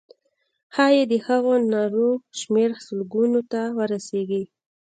ښایي د هغو نارو شمېر سلګونو ته ورسیږي.